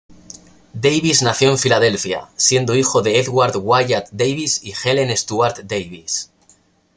Davis nació en Filadelfia, siendo hijo de Edward Wyatt Davis y Helen Stuart Davis.